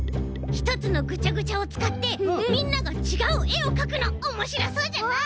ひとつのぐちゃぐちゃをつかってみんながちがうえをかくのおもしろそうじゃない？